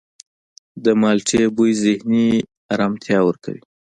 د مالټې بوی ذهني آرامتیا ورکوي.